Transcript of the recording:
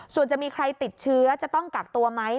ส่วนจะมีใครติดเชื้อจะต้องกักตัวไหม